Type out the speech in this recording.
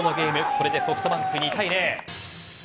これでソフトバンク２対０。